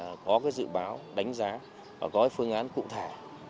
chúng tôi cũng đều có cái dự báo đánh giá và có cái phương án cụ thể